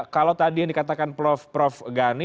kalau tadi yang dikatakan prof gani